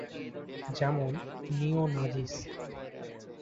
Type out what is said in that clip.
যেমন: ‘নিও নাজিস’।